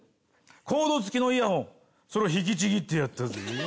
コード付きのイヤホンそれを引きちぎってやったぜ。